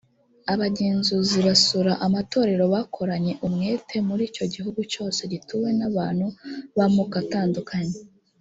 abagenzuzi basura amatorero bakoranye umwete muri icyo gihugu cyose gituwe n abantu b amoko atandukanye